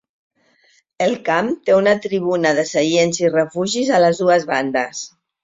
El camp té una tribuna de seients i refugis a les dues bandes.